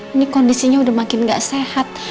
ini kondisinya udah makin nggak sehat